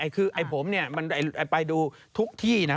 คือผมเนี่ยไปดูทุกที่นะ